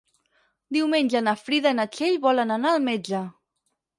Diumenge na Frida i na Txell volen anar al metge.